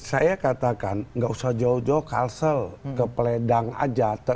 saya katakan nggak usah jauh jauh kalsel ke peledang aja